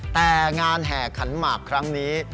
แต่งานแห่ขันหมากครั้งนี้